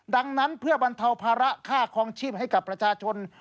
ดังนั้นเพื่อบรรเทาภาระค่าคลองชีพให้กับประชาชน